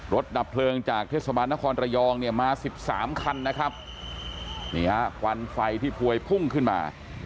ดับเพลิงจากเทศบาลนครระยองเนี่ยมาสิบสามคันนะครับนี่ฮะควันไฟที่พวยพุ่งขึ้นมา